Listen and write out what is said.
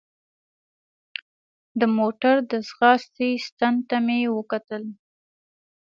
د موټر د ځغاستې ستن ته مې وکتل.